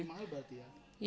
lebih mahal berarti ya